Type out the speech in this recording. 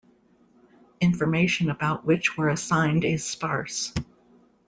Information about which were assigned is sparse.